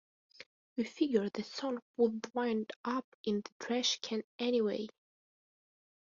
We figured the song would wind up in the trash can anyway.